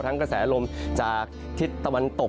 กระแสลมจากทิศตะวันตก